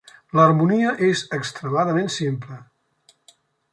L'harmonia és extremadament simple.